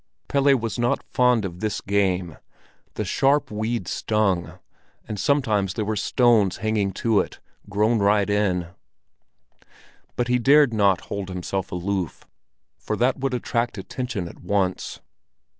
Pelle was not fond of this game; the sharp weed stung, and sometimes there were stones hanging to it, grown right in. But he dared not hold himself aloof, for that would attract attention at once.